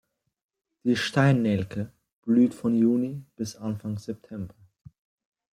Die Stein-Nelke blüht von Juni bis Anfang September.